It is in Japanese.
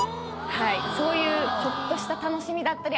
はいそういうちょっとした楽しみだったり